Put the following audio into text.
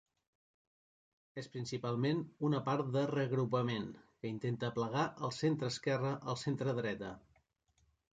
És principalment una part de reagrupament, que intenta aplegar del centreesquerra al centredreta.